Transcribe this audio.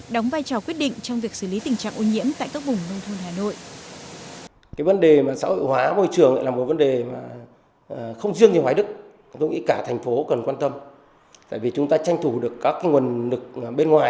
đóng vai trò quyết định trong việc xử lý tình trạng ô nhiễm